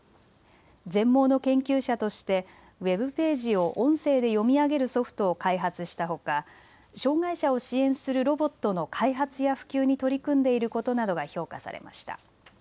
全盲の研究者としてウェブページを音声で読み上げるソフトを開発したほか障害者を支援するロボットの開発や普及に取り組んでいることなどが評価されました。